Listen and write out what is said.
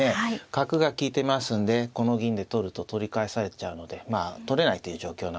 角が利いてますんでこの銀で取ると取り返されちゃうのでまあ取れないという状況なんですよね。